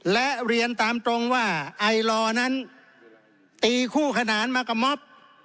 และเรียนตามตรงว่าไอลอนั้นตีคู่ขนานมากับม็อบ